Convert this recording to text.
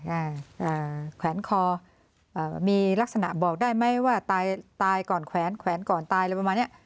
เอ่อแขวนคอมีลักษณะบอกได้มั้ยว่าตายก่อนแขวนแขวนก่อนตายอะไรประมาณนี้